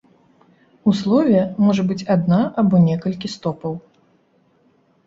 У слове можа быць адна або некалькі стопаў.